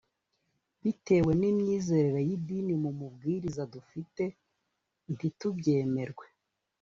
bitewe n’imyizerere y’idini mu mubwiriza dufite nti tubyemerwe